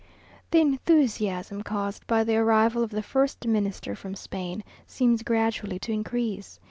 The enthusiasm caused by the arrival of the first Minister from Spain seems gradually to increase.